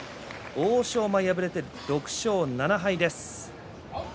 欧勝馬、敗れて６勝７敗。